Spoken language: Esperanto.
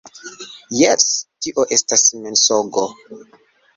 Jes, - Tio estas mensogo.